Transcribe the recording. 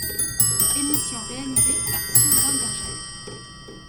Emission réalisée par Sylvain Bergère.